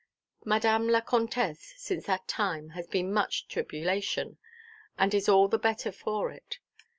Madame la Comtesse since that time has seen much tribulation, and is all the better for it.